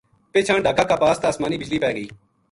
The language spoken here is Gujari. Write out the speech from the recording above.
پِچھاں ڈھاکا کا پاس تا اسمانی بجلی پے گئی